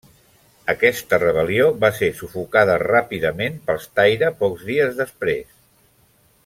Aquesta rebel·lió va ser sufocada ràpidament pels Taira pocs dies després.